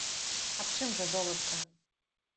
Аб чым жа, золатка?